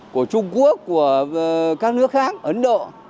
của trung quốc của các nước khác ấn độ